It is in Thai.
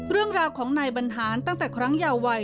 เรื่องราวของนายบรรหารตั้งแต่ครั้งยาวัย